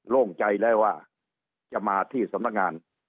โล่งใจแล้วว่าจะมาที่สำนักงาน